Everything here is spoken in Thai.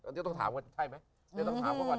นี่ต้องถามกันใช่ไหมนี่ต้องถามกันก่อน